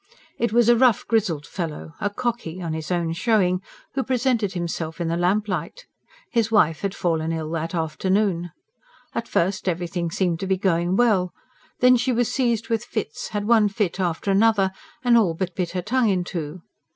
It was a rough grizzled fellow a "cocky," on his own showing who presented himself in the lamplight. His wife had fallen ill that afternoon. At first everything seemed to be going well; then she was seized with fits, had one fit after another, and all but bit her tongue in two.